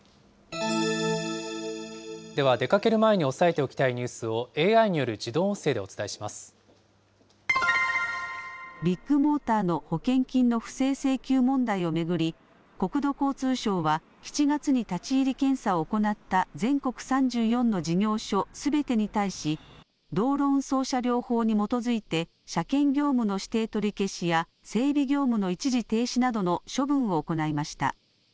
では、出かける前に押さえておきたいニュースを、ＡＩによる自動音声でビッグモーターの保険金の不正請求問題を巡り、国土交通省は、７月に立ち入り検査を行った全国３４の事業所すべてに対し、道路運送車両法に基づいて、車検業務の指定取り消しや整備業務の一時停止などの処分を行いました。